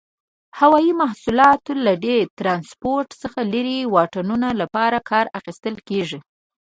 هوایي مواصلات له دې ترانسپورت څخه لري واټنونو لپاره کار اخیستل کیږي.